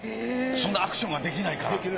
そのアクションができないから。